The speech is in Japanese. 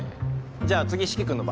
じゃあ次四鬼君の番。